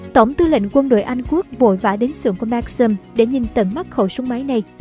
tổng tư lệnh quân đội anh quốc vội vã đến xưởng của maxim để nhìn tận mắt khẩu súng máy này